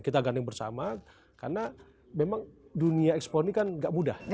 kita gandeng bersama karena memang dunia ekspor ini kan gak mudah